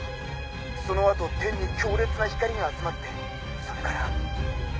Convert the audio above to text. その後天に強烈な光が集まってそれから。